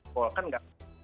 bahwa kan enggak